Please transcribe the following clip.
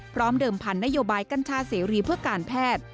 เดิมพันนโยบายกัญชาเสรีเพื่อการแพทย์